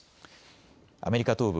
アメリカ東部